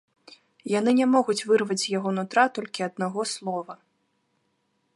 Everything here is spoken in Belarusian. Яны не могуць вырваць з яго нутра толькі аднаго слова.